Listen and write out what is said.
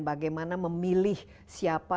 bagaimana memilih siapa